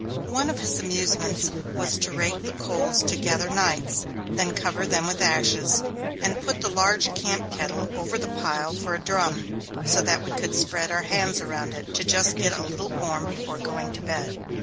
One of his amusements was to rake the coals together nights, then cover them with ashes, and put the large camp kettle over the pile for a drum, so that we could spread our hands around it, "to get just a little warm before going to bed."